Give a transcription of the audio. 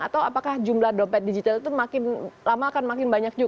atau apakah jumlah dompet digital itu makin lama akan makin banyak juga